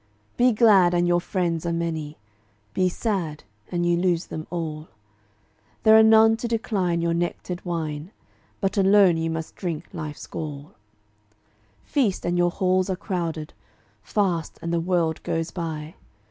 Be glad, and your friends are many; Be sad, and you lose them all; There are none to decline your nectar'd wine, But alone you must drink life's gall. Feast, and your halls are crowded; Fast, and the world goes by.